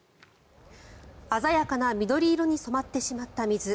鮮やかな緑色に染まってしまった水。